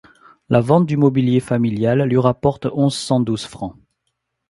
La vente du mobilier familial lui rapporte onze cent douze francs.